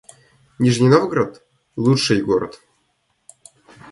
Нижний Новгород — лучший город